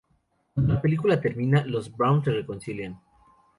Cuando la película termina, los Browns se reconcilian.